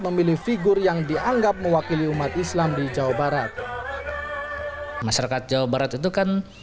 memilih figur yang dianggap mewakili umat islam di jawa barat masyarakat jawa barat itu kan